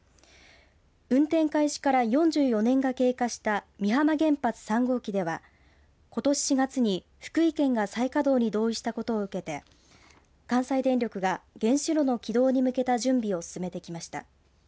運転開始から４４年が経過した美浜原発３号機ではことし４月に福井県が再稼働に同意したことを受けて関西電力が原子炉の起動に向けた準備を進めてきました。